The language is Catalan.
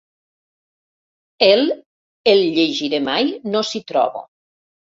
"El el llegiré mai no si trobo".